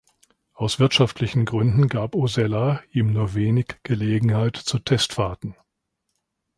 Aus wirtschaftlichen Gründen gab Osella ihm nur wenig Gelegenheit zu Testfahrten.